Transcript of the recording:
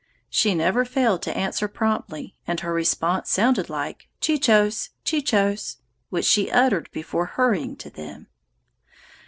She never failed to answer promptly, and her response sounded like chee chos, chee chos, which she uttered before hurrying to them.